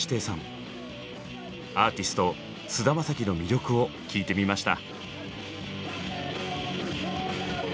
アーティスト菅田将暉の魅力を聞いてみました。